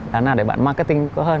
làm nào để bạn marketing tốt hơn